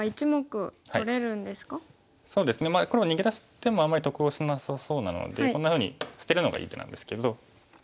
黒逃げ出す手もあんまり得をしなさそうなのでこんなふうに捨てるのがいい手なんですけど。